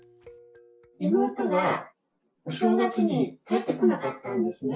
妹が、お正月に帰ってこなかったんですね。